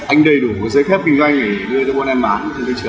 anh đầy đủ giới phép kinh doanh này